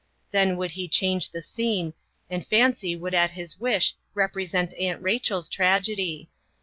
Then would he change the scene, and fancy would at his wish represent Aunt Rachel's tragedy.